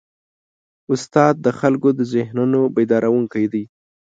استاد د خلکو د ذهنونو بیدارونکی دی.